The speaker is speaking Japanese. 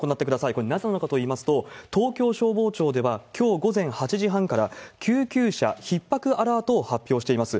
これ、なぜなのかといいますと、東京消防庁ではきょう午前８時半から、救急車ひっ迫アラートを発表しています。